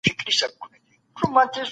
ټولنه په پوهه او ادب ښایسته کېږي.